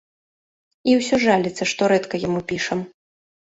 І ўсё жаліцца, што рэдка яму пішам.